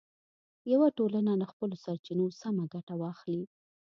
یوه ټولنه له خپلو سرچینو سمه ګټه واخلي.